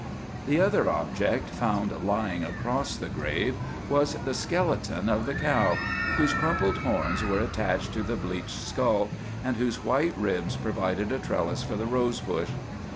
The other object, found lying across the grave, was the skeleton of the cow, whose crumpled horns were attached to the bleached skull, and whose white ribs provided a trellis for the rose bush.